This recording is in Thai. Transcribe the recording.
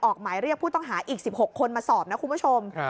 หมายเรียกผู้ต้องหาอีก๑๖คนมาสอบนะคุณผู้ชม